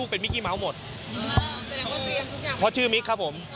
เพราะชื่อมิคครับผม